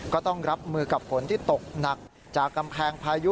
ก็ต้องรับมือกับฝนที่ตกหนักจากกำแพงพายุ